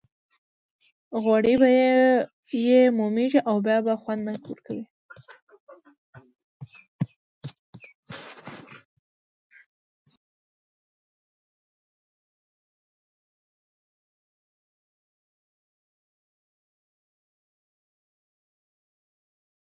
غوړي به یې مومېږي او بیا به خوند نه ورکوي.